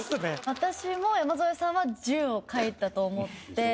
私も山添さんは銃を書いたと思って。